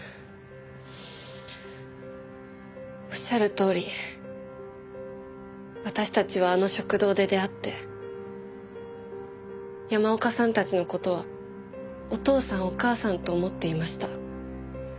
おっしゃるとおり私たちはあの食堂で出会って山岡さんたちの事はお父さんお母さんと思っていました。